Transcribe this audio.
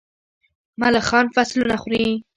ملخان فصلونه خوري.